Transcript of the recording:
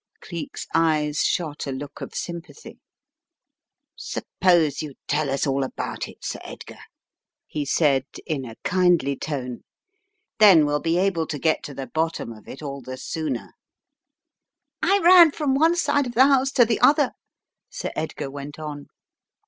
Cleek's eyes shot a look of sympathy. "Suppose you tell us all about it, Sir Edgar," he said in a kindly tone, "then we'll be able to get to the bottom of it all the sooner." "I ran from one side of the house to the other," Sir Edgar went on.